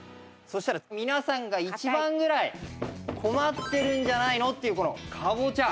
そしたら皆さんが一番ぐらい困ってるんじゃないの？っていうこのカボチャ。